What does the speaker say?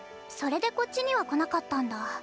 それでこっちには来なかったんだ。